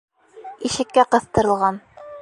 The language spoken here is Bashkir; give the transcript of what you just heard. Ишеккә ҡыҫтырылған.